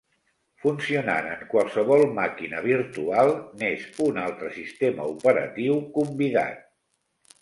Funcionant en qualsevol màquina virtual n'és un altre, sistema operatiu "convidat".